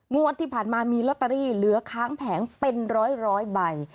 งวดที่ผ่านมามีลอตเตอรี่เหลือค้างแผงเป็นร้อยใบ